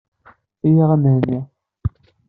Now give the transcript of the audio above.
Iyyaɣ a Mhenni.